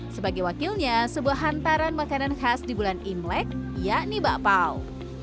sebagai wakilnya sebuah hantaran makanan khas di bulan imlek yakni bakpao